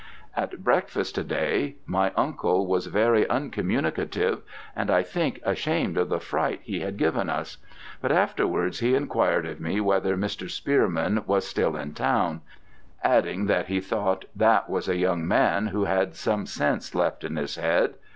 "At breakfast to day my uncle was very uncommunicative, and I think ashamed of the fright he had given us; but afterwards he inquired of me whether Mr. Spearman was still in town, adding that he thought that was a young man who had some sense left in his head.